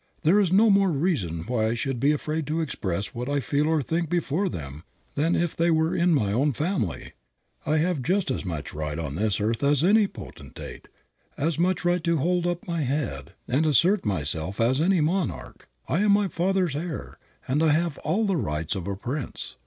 There is no more reason why I should be afraid to express what I feel or think before them than if they were in my own family. I have just as much right on this earth as any potentate, as much right to hold up my head and assert myself as any monarch. I am my Father's heir, and have all the rights of a prince.